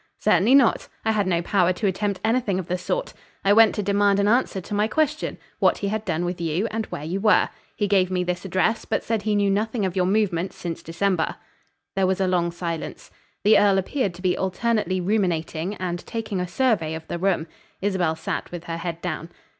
"Certainly not. I had no power to attempt anything of the sort. I went to demand an answer to my question what he had done with you, and where you were. He gave me this address, but said he knew nothing of your movements since December." There was a long silence. The earl appeared to be alternately ruminating and taking a survey of the room. Isabel sat with her head down.